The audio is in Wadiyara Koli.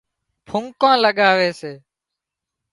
قومڪان لڳاوي سي